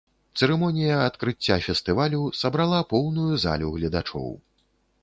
Цырымонія адкрыцця фестывалю сабрала поўную залю гледачоў.